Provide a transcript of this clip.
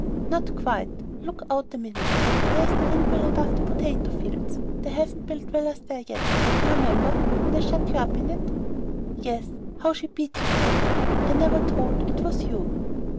"Not quite. Look out a minute. There's the windmill above the potato fields; they haven't built villas there yet; d'you remember when I shut you up in it?" "Yes. How she beat you for it! I never told it was you."